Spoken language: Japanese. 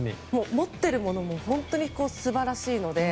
持っているものも素晴らしいので。